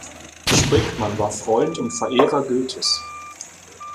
Sprickmann war Freund und Verehrer Goethes.